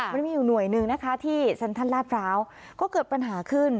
มันมีหน่วยหนึ่งนะคะที่ท่านท่านลาฟราวก็เกิดปัญหาขึ้น